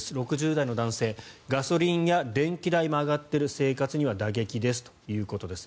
６０代の男性ガソリンや電気代も上がっている生活には打撃ですということです。